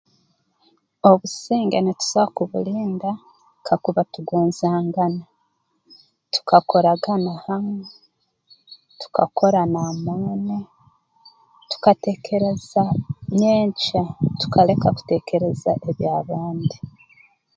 Obusinge nituso kubulinda kakuba tugonzangana tukakoragana hamu tukakora n'amaani tukateekereza nyenkya tukaleka kuteekereza eby'abandi